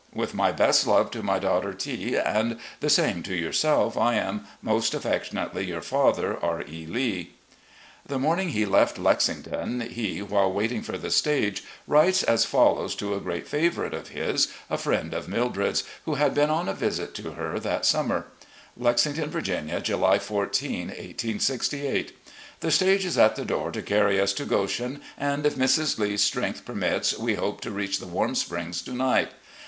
With my best love to my daughter T and the same to yourself, I am, "Most affectionately your father, "R. E. Lee." The morning he left Lexington he, while waiting for the stage, writes as follows to a great favourite of his, a friend of Mildred's, who had been on a visit to her that summer: "Lexington, Virginia, July 14, 1868. "... The stage is at the door to carry us to Goshen, and if Mrs. Lee's strength permits, we hope to reach the Warm Springs to night.